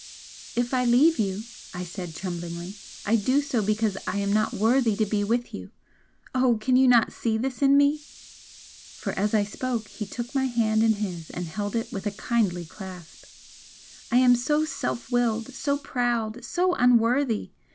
"If I leave you," I said, tremblingly "I do so because I am not worthy to be with you! Oh, can you not see this in me?" For as I spoke he took my hand in his and held it with a kindly clasp "I am so self willed, so proud, so unworthy!